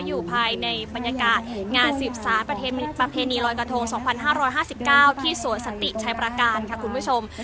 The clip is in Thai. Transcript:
อยู่ภายในบรรยากาศงานสืบสารประเพณีลอยกระทง๒๕๕๙ที่สวนสันติชัยประการค่ะคุณผู้ชม